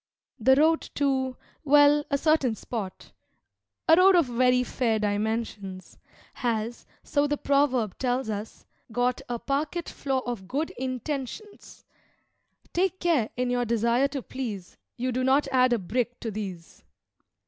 The Road to well, a certain spot, (A Road of very fair dimensions), Has, so the proverb tells us, got A parquet floor of Good Intentions. Take care, in your desire to please, You do not add a brick to these.